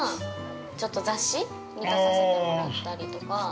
ちょっと雑誌に出させてもらったりとか。